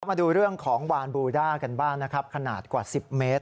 มาดูเรื่องของวานบูด้ากันบ้างนะครับขนาดกว่า๑๐เมตร